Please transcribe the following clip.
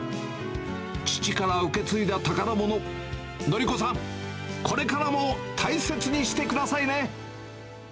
父から受け継いだ宝物、徳子さん、これからも大切にしてくださいね。